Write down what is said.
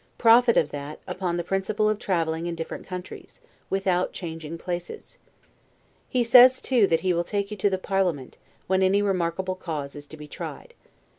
Profit of that, upon the principle of traveling in different countries, without changing places. He says, too, that he will take you to the parliament, when any remarkable cause is to be tried.